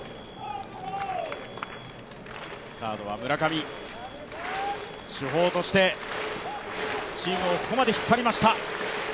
サードは村上、主砲としてチームをここまで引っ張りました。